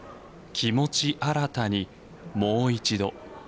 気持ち新たに、もう一度。